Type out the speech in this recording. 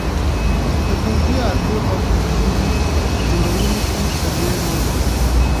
د پوځي اډو او کمینونو په جوړولو کې سروې رول لري